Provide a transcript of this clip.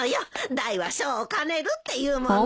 大は小を兼ねるっていうもの。